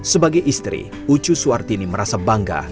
sebagai istri ucu suartini merasa bangga